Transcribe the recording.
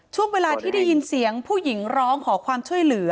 ช่วงเวลาที่ได้ยินเสียงผู้หญิงร้องขอความช่วยเหลือ